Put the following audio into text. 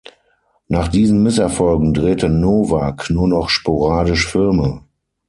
Nach diesen Misserfolgen drehte Novak nur noch sporadisch Filme.